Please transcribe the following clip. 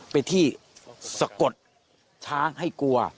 เป็นที่สะกดช้างให้กลัว